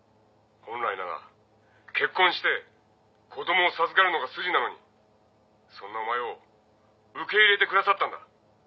本来なら結婚して子供を授かるのが筋なのにそんなお前を受け入れてくださったんだ。